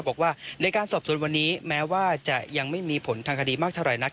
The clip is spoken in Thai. บอกว่าในการสอบสวนวันนี้แม้ว่าจะยังไม่มีผลทางคดีมากเท่าไหร่นัก